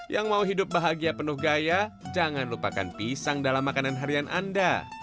yang mau hidup bahagia penuh gaya jangan lupakan pisang dalam makanan harian anda